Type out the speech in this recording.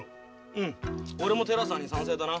うん俺も寺さんに賛成だな。